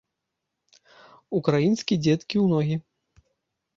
Украінскі дзеткі ў ногі!